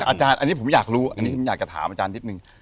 อาจารย์อันนี้ผมอยากรู้อันนี้ผมอยากจะถามอาจารย์นิดนึง